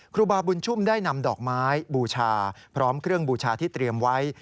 ครูบาบุญชุ่มได้นำดอกไม้บูชาพร้อมเครื่องบูชาที่เตรียมไว้